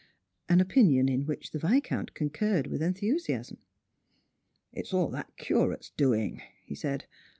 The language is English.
An opinion in which the Viscount con cun ed with enthusiasm. " It's all that Curate's doing," he said.